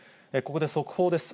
ここで速報です。